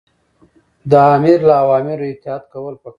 د آمر له اوامرو اطاعت کول پکار دي.